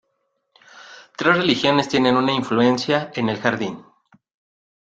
Tres religiones tienen una influencia en el jardín.